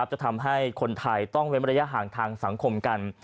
จะทำให้คนไทยต้องเว้นระยะห่างทางสังคมกัน